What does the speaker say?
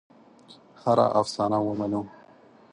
هره افسانه ومنو.